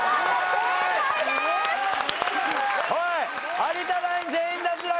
有田ナイン全員脱落！